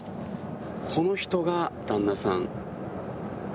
この人が旦那さん。